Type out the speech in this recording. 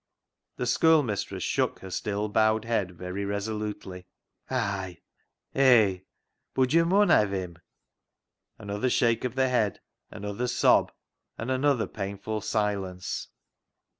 The schoolmistress shook her still bowed head very resolutely. " Hay, bud yo' frtun hev him." Another shake of the head, another sob, and another painful silence.